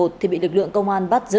thì bị lực lượng công an bắt giữ